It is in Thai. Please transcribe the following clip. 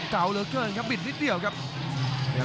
ชกกันมันแบบนี้